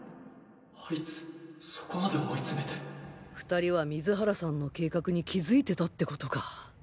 あいつそこまで思い詰めて２人は水原さんの計画に気付いてたってことか